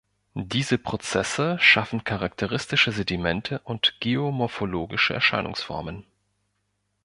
Diese Prozesse schaffen charakteristische Sedimente und geomorphologische Erscheinungsformen.